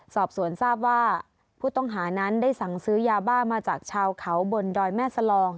สอบสวนทราบว่าผู้ต้องหานั้นได้สั่งซื้อยาบ้ามาจากชาวเขาบนดอยแม่สลอง